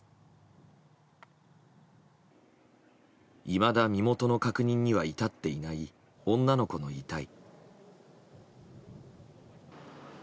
いまだ身元の確認には至っていない女の子の遺体。